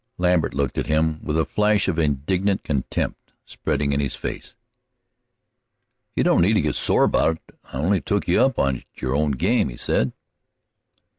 Lambert looked at him with a flush of indignant contempt spreading in his face. "You don't need to get sore about it; I only took you up at your own game," he said.